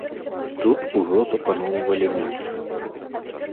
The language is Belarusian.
Тут ужо запаноўвалі немцы.